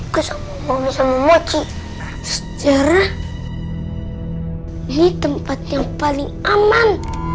keseluruhan bisa memuji secara ini tempat yang paling aman